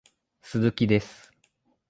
鈴木です